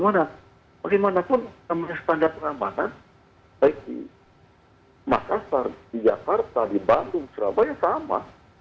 karena bagaimanapun standar pengamanan baik di makassar di jakarta di bandung surabaya sama